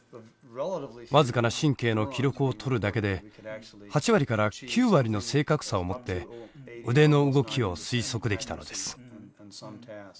わずかな神経の記録を取るだけで８割から９割の正確さをもって腕の動きを推測できたのです。